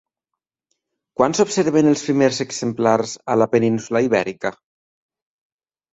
Quan s'observen els primers exemplars a la península Ibèrica?